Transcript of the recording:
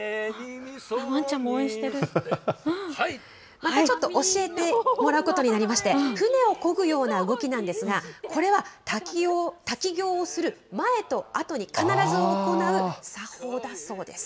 またちょっと教えてもらうことになりまして、船をこぐような動きなんですが、これは滝行をする前と後に必ず行う作法だそうです。